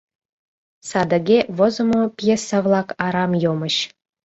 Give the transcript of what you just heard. Садыге возымо пьеса-влак арам йомыч.